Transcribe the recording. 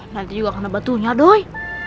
nanti juga akan ada batunya doi